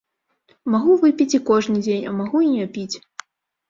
Магу выпіць і кожны дзень, а магу і не піць.